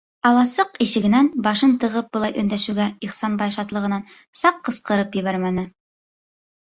- Аласыҡ ишегенән башын тығып былай өндәшеүгә Ихсанбай шатлығынан саҡ ҡысҡырып ебәрмәне.